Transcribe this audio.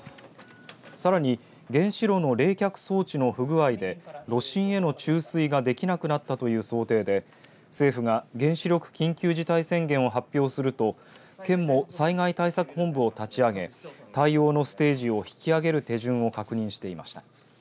さらに原子炉の冷却装置の不具合で炉心への注水ができなくなったという想定で政府が原子力緊急事態宣言を発表すると県も、災害対策本部を立ち上げ対応のステージを引き上げる手順を確認していました。